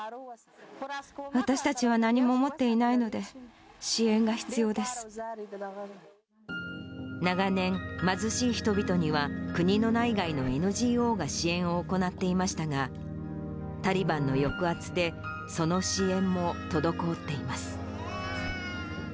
私たちは何も持っていないので、長年、貧しい人々には国の内外のＮＧＯが支援を行っていましたが、タリバンの抑圧で、その支援も滞っています。